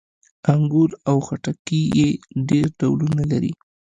انګور او خټکي یې ډېر ډولونه لري.